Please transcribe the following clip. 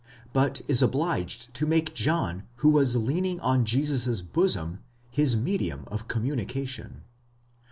but is obliged to make John, who was Leaning on Jesus' bosom, his medium of communication.